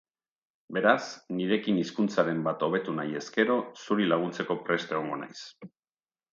Beraz, nirekin hizkuntzaren bat hobetu nahi ezkero, zuri laguntzeko prest egongo naiz.